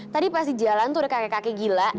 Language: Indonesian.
tadi pas di jalan tuh udah kakek kakek gila